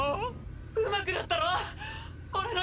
⁉うまくなったろ⁉俺の必殺技！